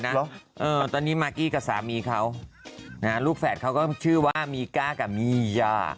เอาไปดูมากี้แบบสั้นแล้วเจอเลยอีกเนี่ย